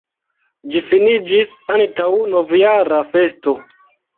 Ĝi finiĝis antaŭ novjara festo.